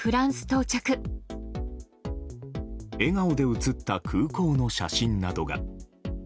笑顔で写った空港の写真などが。